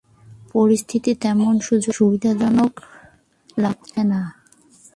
পরিস্থিতি তেমন সুবিধাজনক লাগছে না।